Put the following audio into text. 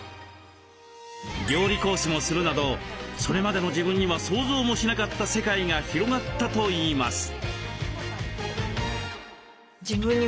料理講師もするなどそれまでの自分には想像もしなかった世界が広がったといいます。